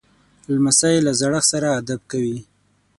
لمسی له زړښت سره ادب کوي.